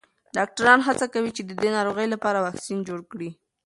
ډاکټران هڅه کوي چې د دې ناروغۍ لپاره واکسین جوړ کړي.